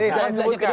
ini saya sebutkan